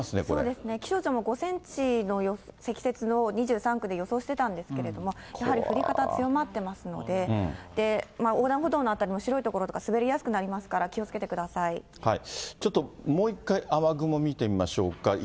そうですね、気象庁も、５センチの積雪を２３区で予想してたんですけれども、やはり降り方、強まってますので、横断歩道の辺りも白い所とか滑りやすくなりますので、気をつけてちょっともう１回、雨雲見てみましょうか。